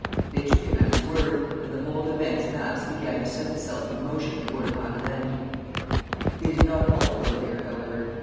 They took him at his word, and the whole immense mass began to set itself in motion toward Mile End. They did not all go there, however.